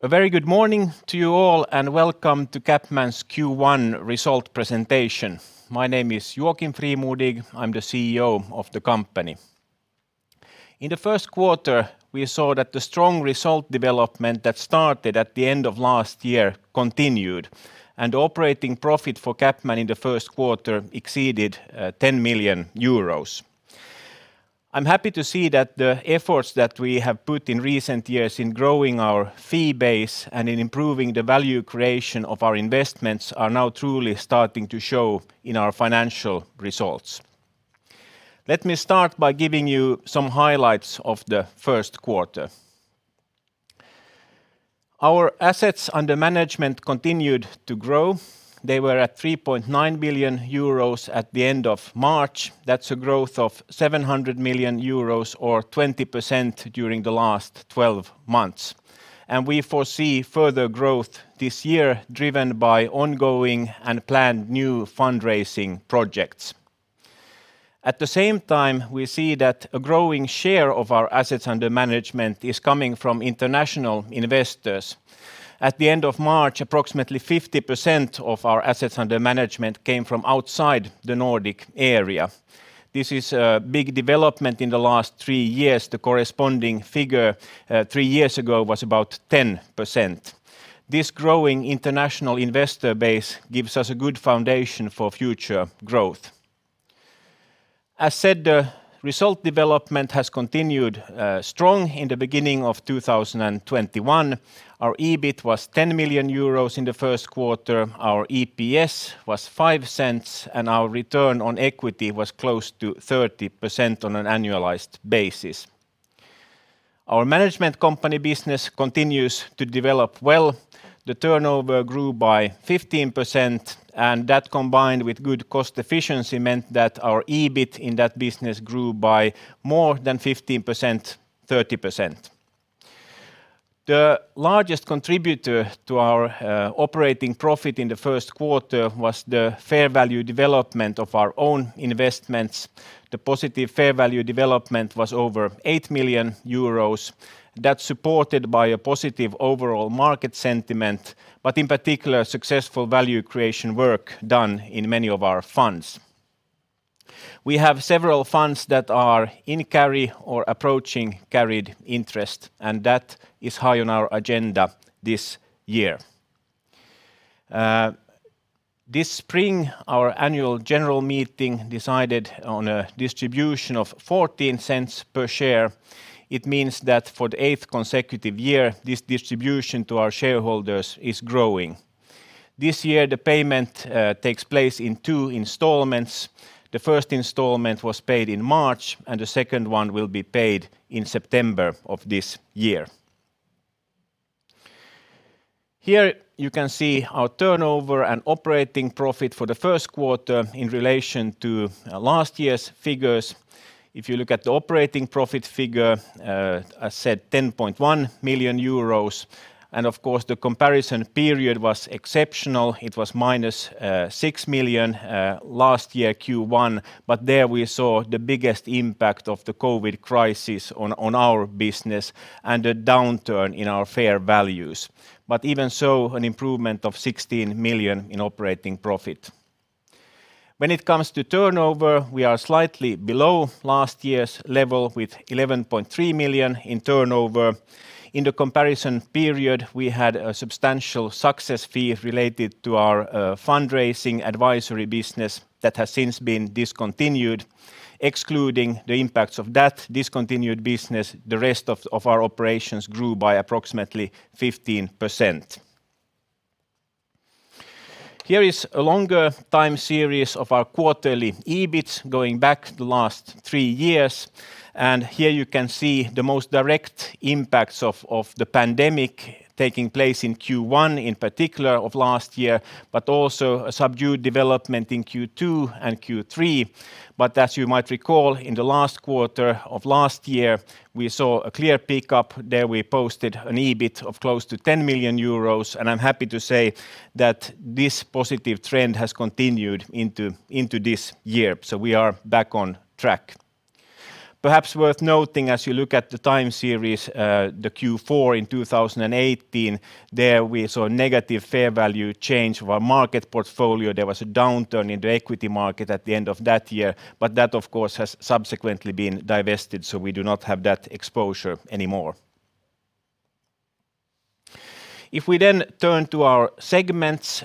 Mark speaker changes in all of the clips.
Speaker 1: A very good morning to you all and welcome to CapMan's Q1 result presentation. My name is Joakim Frimodig, I'm the CEO of the company. In the first quarter, we saw that the strong result development that started at the end of last year continued, and operating profit for CapMan in the first quarter exceeded 10 million euros. I'm happy to see that the efforts that we have put in recent years in growing our fee base and in improving the value creation of our investments are now truly starting to show in our financial results. Let me start by giving you some highlights of the first quarter. Our assets under management continued to grow. They were at 3.9 billion euros at the end of March. That's a growth of 700 million euros or 20% during the last 12 months. We foresee further growth this year driven by ongoing and planned new fundraising projects. At the same time, we see that a growing share of our assets under management is coming from international investors. At the end of March, approximately 50% of our assets under management came from outside the Nordic area. This is a big development in the last three years. The corresponding figure three years ago was about 10%. This growing international investor base gives us a good foundation for future growth. As said, the result development has continued strong in the beginning of 2021. Our EBIT was 10 million euros in the first quarter, our EPS was 0.05, and our return on equity was close to 30% on an annualized basis. Our Management Company business continues to develop well. The turnover grew by 15%, that combined with good cost efficiency meant that our EBIT in that business grew by more than 15%, 30%. The largest contributor to our operating profit in the first quarter was the fair value development of our own investments. The positive fair value development was over 8 million euros. That's supported by a positive overall market sentiment, but in particular, successful value creation work done in many of our funds. We have several funds that are in carry or approaching carried interest, that is high on our agenda this year. This spring, our annual general meeting decided on a distribution of 0.14 per share. It means that for the eighth consecutive year, this distribution to our shareholders is growing. This year, the payment takes place in two installments. The first installment was paid in March, the second one will be paid in September of this year. Here you can see our turnover and operating profit for the first quarter in relation to last year's figures. If you look at the operating profit figure, as said, 10.1 million euros. Of course, the comparison period was exceptional. It was minus 6 million last year Q1, there we saw the biggest impact of the COVID crisis on our business and a downturn in our fair values. Even so, an improvement of 16 million in operating profit. When it comes to turnover, we are slightly below last year's level with 11.3 million in turnover. In the comparison period, we had a substantial success fee related to our fundraising advisory business that has since been discontinued. Excluding the impacts of that discontinued business, the rest of our operations grew by approximately 15%. Here is a longer time series of our quarterly EBIT going back the last three years. Here you can see the most direct impacts of the pandemic taking place in Q1 in particular of last year, but also a subdued development in Q2 and Q3. As you might recall, in the last quarter of last year, we saw a clear pickup. There we posted an EBIT of close to €10 million. I'm happy to say that this positive trend has continued into this year. We are back on track. Perhaps worth noting as you look at the time series, the Q4 in 2018, there we saw a negative fair value change of our market portfolio. There was a downturn in the equity market at the end of that year, but that of course, has subsequently been divested, so we do not have that exposure anymore. If we then turn to our segments,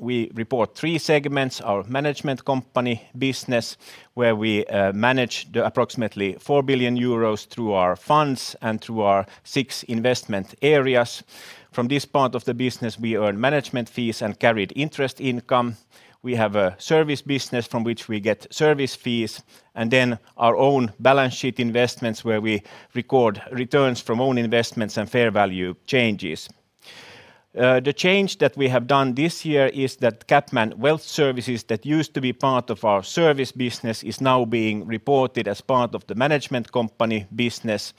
Speaker 1: we report three segments, our Management Company business, where we manage the approximately 4 billion euros through our funds and through our six investment areas. From this part of the business, we earn management fees and carried interest income. We have a service business from which we get service fees, and then our own balance sheet investments where we record returns from own investments and fair value changes. The change that we have done this year is that CapMan Wealth that used to be part of our service business is now being reported as part of the Management Company business.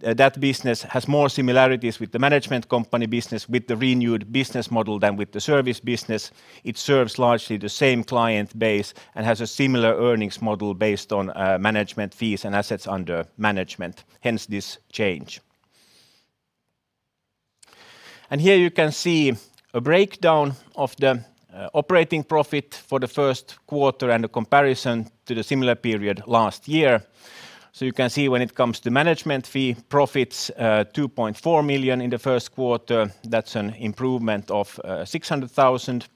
Speaker 1: That business has more similarities with the Management Company business with the renewed business model than with the service business. It serves largely the same client base and has a similar earnings model based on management fees and assets under management, hence this change. Here you can see a breakdown of the operating profit for the first quarter and a comparison to the similar period last year. You can see when it comes to management fee profits, 2.4 million in the first quarter, that's an improvement of 600,000.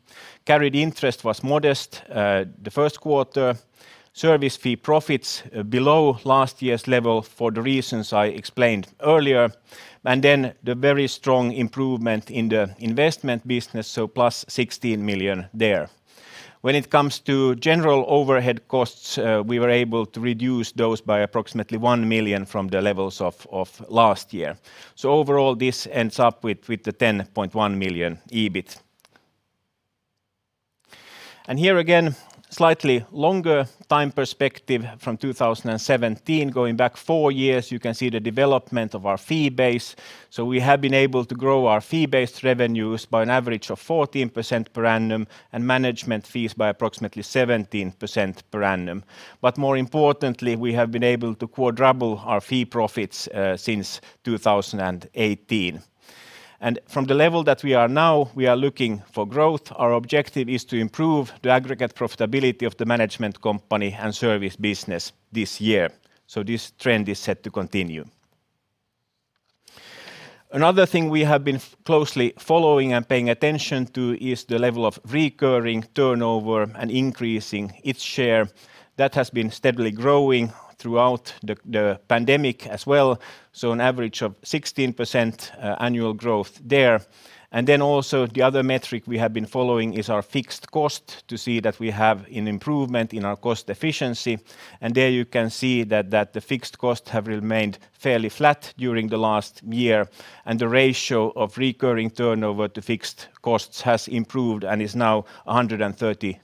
Speaker 1: Carried interest was modest. The first quarter service fee profits below last year's level for the reasons I explained earlier. The very strong improvement in the investment business, so +16 million there. When it comes to general overhead costs, we were able to reduce those by approximately 1 million from the levels of last year. Overall, this ends up with 10.1 million EBIT. Here again, slightly longer time perspective from 2017 going back four years, you can see the development of our fee base. We have been able to grow our fee-based revenues by an average of 14% per annum and management fees by approximately 17% per annum. More importantly, we have been able to quadruple our fee profits since 2018. From the level that we are now, we are looking for growth. Our objective is to improve the aggregate profitability of the Management Company and service business this year. This trend is set to continue. Another thing we have been closely following and paying attention to is the level of recurring turnover and increasing its share. That has been steadily growing throughout the pandemic as well. An average of 16% annual growth there. The other metric we have been following is our fixed costs to see that we have an improvement in our cost efficiency. There you can see that the fixed costs have remained fairly flat during the last year. The ratio of recurring turnover to fixed costs has improved and is now 132%.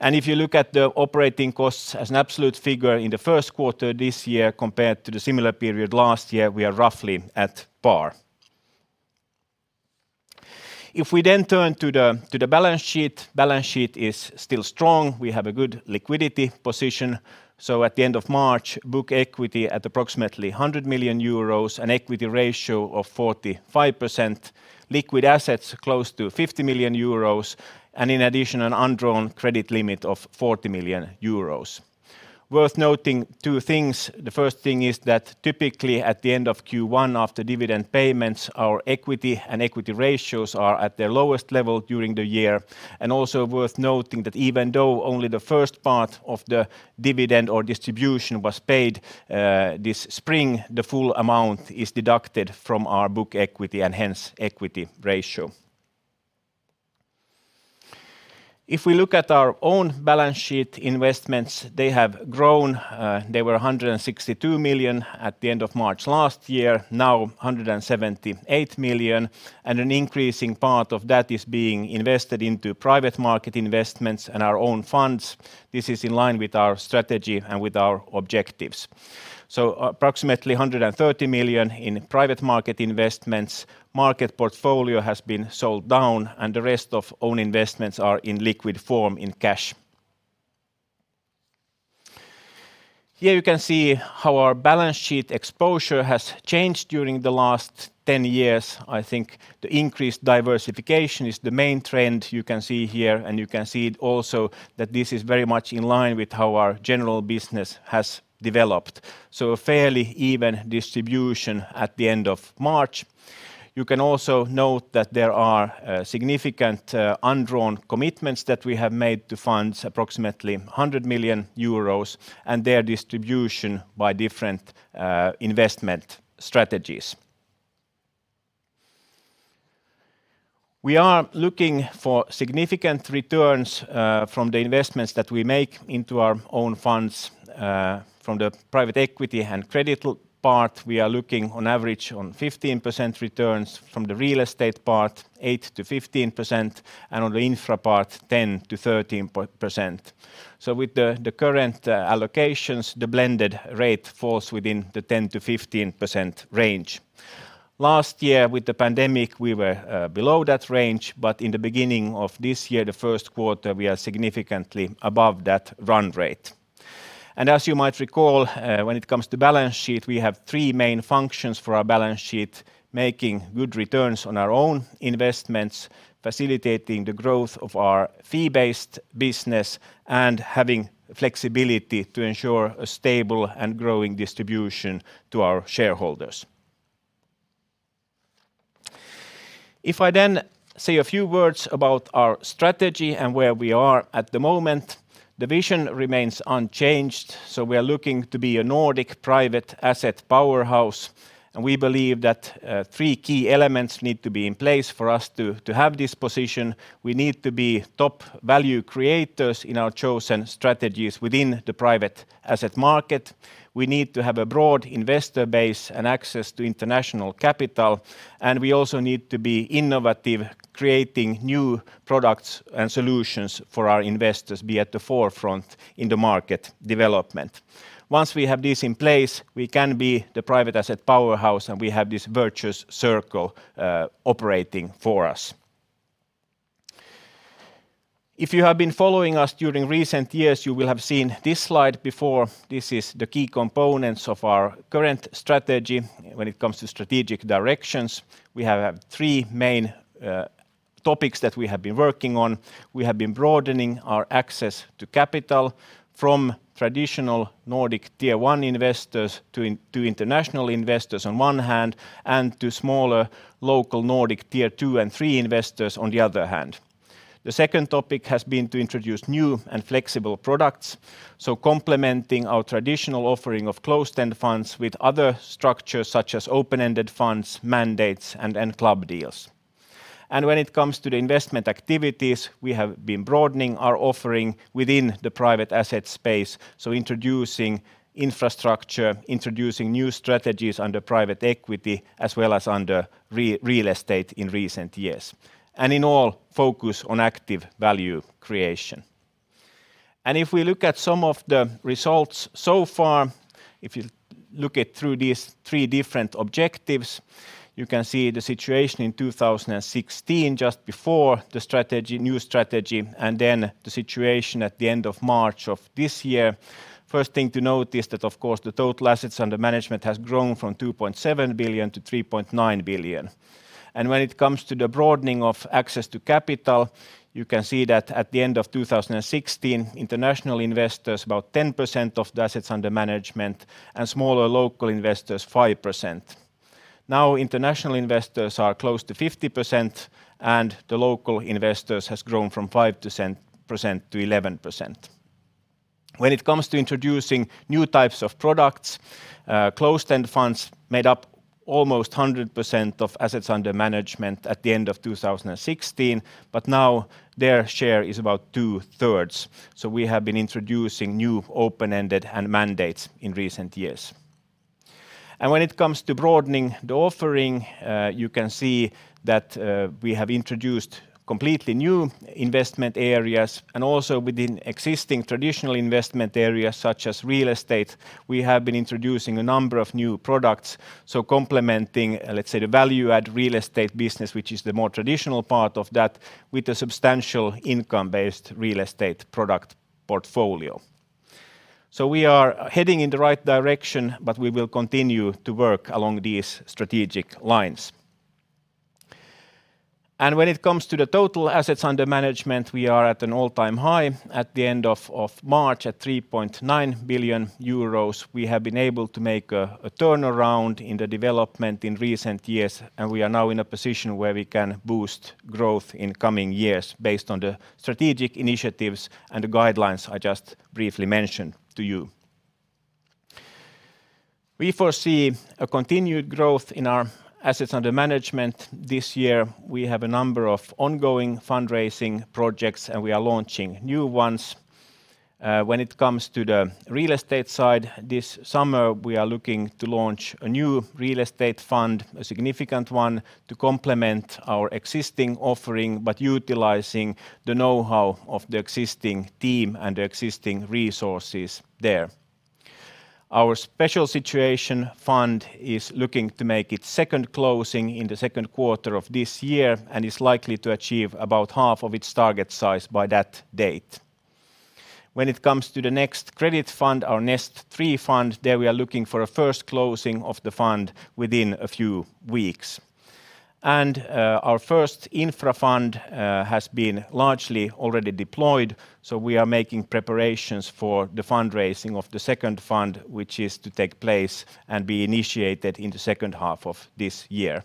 Speaker 1: If you look at the operating costs as an absolute figure in the first quarter this year compared to the similar period last year, we are roughly at par. If we turn to the balance sheet, balance sheet is still strong. We have a good liquidity position. At the end of March, book equity at approximately 100 million euros, an equity ratio of 45%, liquid assets close to 50 million euros, and in addition, an undrawn credit limit of 40 million euros. Worth noting two things. The first thing is that typically at the end of Q1 after dividend payments, our equity and equity ratios are at their lowest level during the year. Also worth noting that even though only the first part of the dividend or distribution was paid this spring, the full amount is deducted from our book equity and hence equity ratio. If we look at our own balance sheet investments, they have grown. They were 162 million at the end of March last year, now 178 million, an increasing part of that is being invested into private market investments and our own funds. This is in line with our strategy and with our objectives. Approximately 130 million in private market investments, market portfolio has been sold down, the rest of own investments are in liquid form in cash. Here you can see how our balance sheet exposure has changed during the last 10 years. I think the increased diversification is the main trend you can see here, and you can see it also that this is very much in line with how our general business has developed. A fairly even distribution at the end of March. You can also note that there are significant undrawn commitments that we have made to funds, approximately 100 million euros, and their distribution by different investment strategies. We are looking for significant returns from the investments that we make into our own funds. From the private equity and credit part, we are looking on average on 15% returns; from the real estate part, 8%-15%; and on the infra part, 10%-13%. With the current allocations, the blended rate falls within the 10%-15% range. Last year with the pandemic, we were below that range. In the beginning of this year, the first quarter, we are significantly above that run rate. As you might recall, when it comes to balance sheet, we have three main functions for our balance sheet: making good returns on our own investments, facilitating the growth of our fee-based business, and having flexibility to ensure a stable and growing distribution to our shareholders. If I say a few words about our strategy and where we are at the moment, the vision remains unchanged. We are looking to be a Nordic private asset powerhouse, and we believe that three key elements need to be in place for us to have this position. We need to be top value creators in our chosen strategies within the private asset market. We need to have a broad investor base and access to international capital. We also need to be innovative, creating new products and solutions for our investors, be at the forefront in the market development. Once we have this in place, we can be the private asset powerhouse and we have this virtuous circle operating for us. If you have been following us during recent years, you will have seen this slide before. This is the key components of our current strategy when it comes to strategic directions. We have three main topics that we have been working on. We have been broadening our access to capital from traditional Nordic tier 1 investors to international investors on one hand, and to smaller local Nordic tier 2 and 3 investors on the other hand. The second topic has been to introduce new and flexible products, so complementing our traditional offering of closed-end funds with other structures such as open-ended funds, mandates, and club deals. When it comes to the investment activities, we have been broadening our offering within the private asset space, so introducing infrastructure, introducing new strategies under private equity, as well as under real estate in recent years. In all, focus on active value creation. If we look at some of the results so far, if you look at through these three different objectives, you can see the situation in 2016, just before the new strategy, and then the situation at the end of March of this year. First thing to note is that, of course, the total assets under management has grown from 2.7 billion to 3.9 billion. When it comes to the broadening of access to capital, you can see that at the end of 2016, international investors about 10% of the assets under management and smaller local investors 5%. Now international investors are close to 50% and the local investors has grown from 5% to 11%. When it comes to introducing new types of products, closed-end funds made up almost 100% of assets under management at the end of 2016, but now their share is about two thirds. We have been introducing new open-ended and mandates in recent years. When it comes to broadening the offering, you can see that we have introduced completely new investment areas and also within existing traditional investment areas such as real estate, we have been introducing a number of new products. Complementing, let's say the value add real estate business, which is the more traditional part of that with a substantial income-based real estate product portfolio. We are heading in the right direction, but we will continue to work along these strategic lines. When it comes to the total assets under management, we are at an all-time high at the end of March at 3.9 billion euros. We have been able to make a turnaround in the development in recent years, and we are now in a position where we can boost growth in coming years based on the strategic initiatives and the guidelines I just briefly mentioned to you. We foresee a continued growth in our assets under management this year. We have a number of ongoing fundraising projects, and we are launching new ones. When it comes to the real estate side, this summer, we are looking to launch a new real estate fund, a significant one to complement our existing offering, but utilizing the knowhow of the existing team and the existing resources there. Our Special Situations fund is looking to make its second closing in the second quarter of this year, and is likely to achieve about half of its target size by that date. When it comes to the next credit fund, our Nest Capital Fund III, there we are looking for a first closing of the fund within a few weeks. Our first infra fund has been largely already deployed, so we are making preparations for the fundraising of the second fund, which is to take place and be initiated in the second half of this year.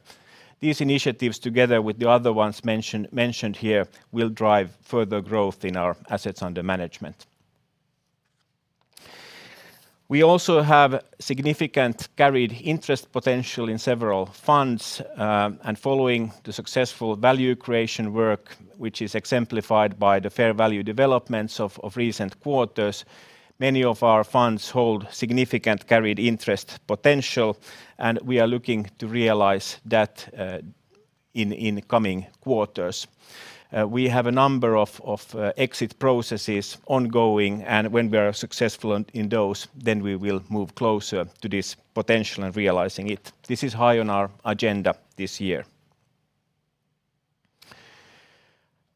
Speaker 1: These initiatives, together with the other ones mentioned here, will drive further growth in our assets under management. We also have significant carried interest potential in several funds, and following the successful value creation work, which is exemplified by the fair value developments of recent quarters, many of our funds hold significant carried interest potential, and we are looking to realize that in coming quarters. We have a number of exit processes ongoing, and when we are successful in those, then we will move closer to this potential and realizing it. This is high on our agenda this year.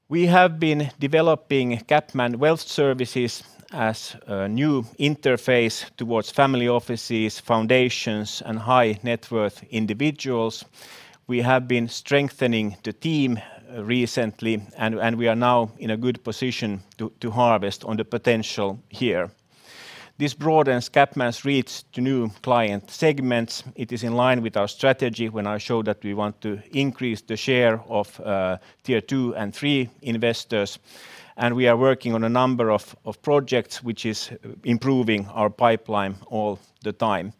Speaker 1: We have been developing CapMan Wealth Services as a new interface towards family offices, foundations, and high net worth individuals. We have been strengthening the team recently, and we are now in a good position to harvest on the potential here. This broadens CapMan's reach to new client segments. It is in line with our strategy when I show that we want to increase the share of tier 2 and 3 investors. We are working on a number of projects which is improving our pipeline all the time.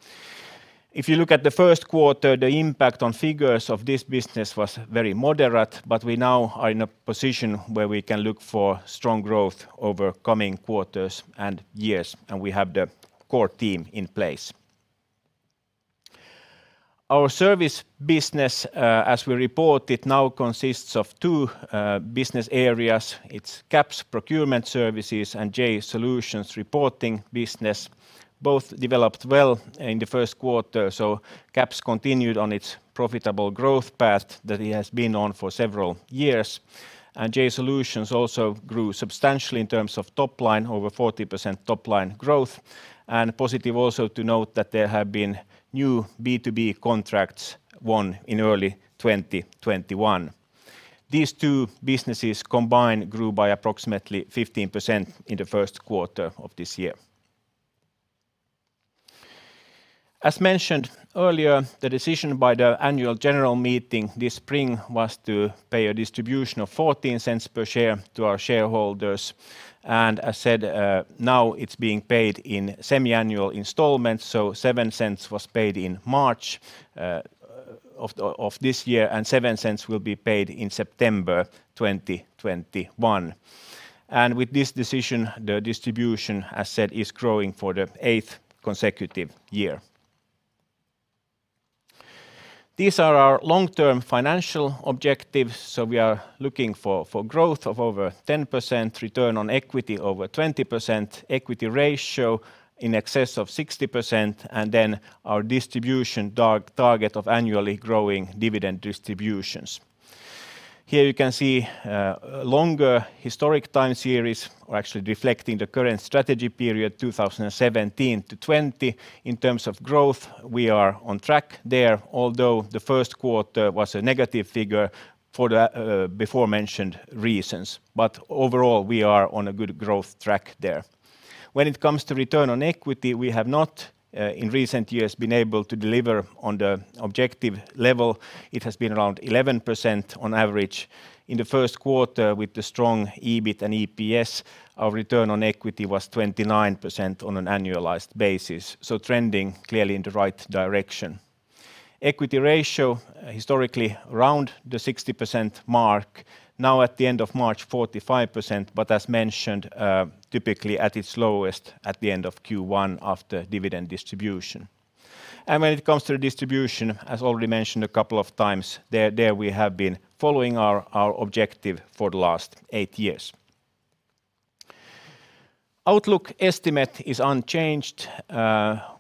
Speaker 1: If you look at the first quarter, the impact on figures of this business was very moderate. We now are in a position where we can look for strong growth over coming quarters and years. We have the core team in place. Our service business, as we report it now, consists of two business areas. It's CaPS procurement services and JAY Solutions reporting business, both developed well in the first quarter. CaPS continued on its profitable growth path that it has been on for several years. JAY Solutions also grew substantially in terms of top line, over 40% top line growth, and positive also to note that there have been new B2B contracts won in early 2021. These two businesses combined grew by approximately 15% in the first quarter of this year. As mentioned earlier, the decision by the annual general meeting this spring was to pay a distribution of 0.14 per share to our shareholders. As said, now it's being paid in semi-annual installments, so 0.07 was paid in March of this year, and 0.07 will be paid in September 2021. With this decision, the distribution, as said, is growing for the eighth consecutive year. These are our long-term financial objectives. We are looking for growth of over 10%, return on equity over 20%, equity ratio in excess of 60%, our distribution target of annually growing dividend distributions. Here you can see a longer historic time series are actually reflecting the current strategy period, 2017 to 2020. In terms of growth, we are on track there, although the first quarter was a negative figure for the before-mentioned reasons. Overall, we are on a good growth track there. When it comes to return on equity, we have not, in recent years, been able to deliver on the objective level. It has been around 11% on average in the first quarter with the strong EBIT and EPS. Our return on equity was 29% on an annualized basis, so trending clearly in the right direction. Equity ratio, historically around the 60% mark. Now at the end of March, 45%, but as mentioned, typically at its lowest at the end of Q1 after dividend distribution. When it comes to the distribution, as already mentioned a couple of times, there we have been following our objective for the last eight years. Outlook estimate is unchanged.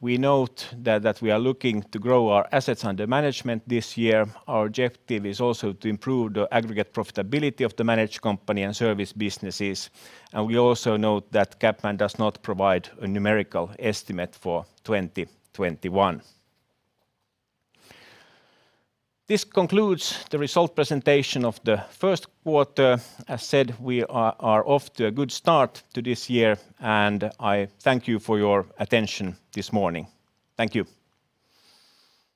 Speaker 1: We note that we are looking to grow our assets under management this year. Our objective is also to improve the aggregate profitability of the Management Company and service businesses. We also note that CapMan does not provide a numerical estimate for 2021. This concludes the result presentation of the first quarter. As said, we are off to a good start to this year, and I thank you for your attention this morning. Thank you.